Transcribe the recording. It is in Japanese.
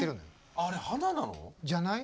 あれ鼻なの？じゃない？